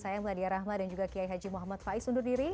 saya meladia rahma dan juga kiai haji muhammad faiz undur diri